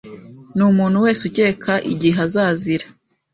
Ni umuntu wese ukeka igihe azazira.